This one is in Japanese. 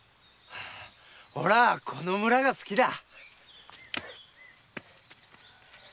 おらあこの村が好きだ。